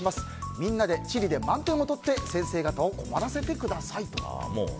みんなで地理で満点をとって先生方を困らせてくださいと。